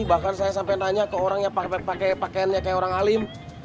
bahkan saya sampe nanya ke orang yang pake pake pakaiannya kayak orang alim